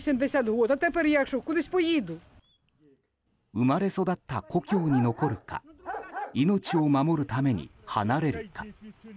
生まれ育った故郷に残るか命を守るために離れるか。